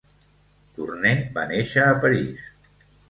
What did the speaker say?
Tourneux va néixer a París.